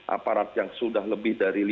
aparat yang sudah lebih dari